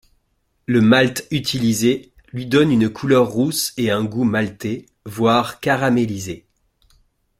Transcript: Le malt utilisé lui donne une couleur rousse et un goût malté, voire caramélisé.